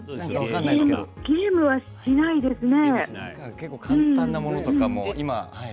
ゲームはしないですね。